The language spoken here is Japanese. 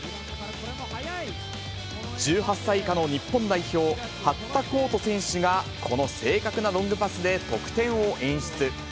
１８歳以下の日本代表、八田滉仁選手がこの正確なロングパスで得点を演出。